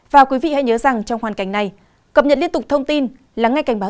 và quý vị hãy nhớ rằng trong hoàn cảnh này cập nhật liên tục thông tin lắng nghe cảnh báo